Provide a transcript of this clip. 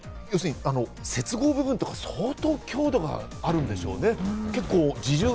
要するに接合部分とかよほど強度があるんでしょうね。